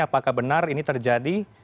apakah benar ini terjadi